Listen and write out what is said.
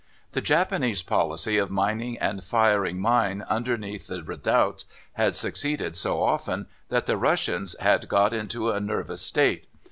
The Japanese policy of mining and firing mines under the redoubts had succeeded so often that the Russians had got into a nervous state.